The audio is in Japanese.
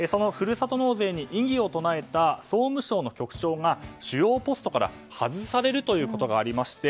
それに異議を唱えた総務省の局長が主要ポストから外されるということがありました。